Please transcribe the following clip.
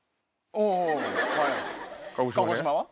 鹿児島は？